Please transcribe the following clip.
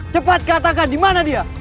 cepat katakan dimana dia